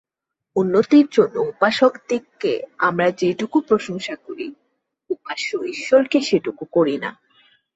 উন্নতির জন্য উপাসকদিগকে আমরা যেটুকু প্রশংসা করি, উপাস্য ঈশ্বরকে সেটুকু করি না।